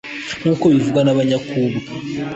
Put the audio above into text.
nk'uko bivugwa na na nyakubwa